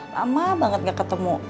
lama banget gak ketemu